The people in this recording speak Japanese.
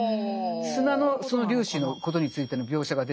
砂のその粒子のことについての描写が出てきますよね。